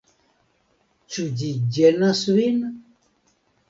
Ĉu ĝi ĝenas vin?